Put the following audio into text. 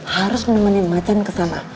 harus menemani macan ke sana